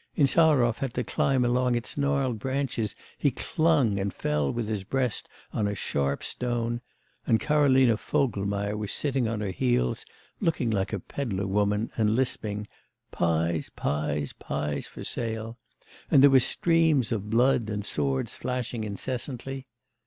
Insarov had to climb along its gnarled branches. He clung, and fell with his breast on a sharp stone, and Karolina Vogelmeier was sitting on her heels, looking like a pedlar woman, and lisping: 'Pies, pies, pies for sale'; and there were streams of blood and swords flashing incessantly....